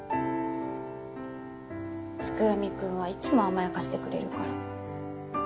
月読くんはいつも甘やかしてくれるから。